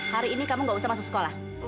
hari ini kamu gak usah masuk sekolah